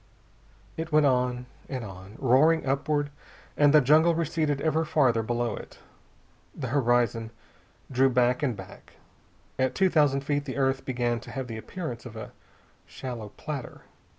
It went on and on, roaring upward, and the jungle receded ever farther below it. The horizon drew back and back. At two thousand feet the earth began to have the appearance of a shallow platter.